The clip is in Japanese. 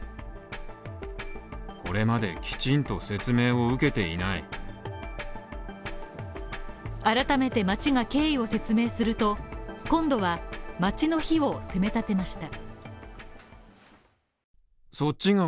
すると改めて町が経緯を説明すると、今度は町の非を責め立てました。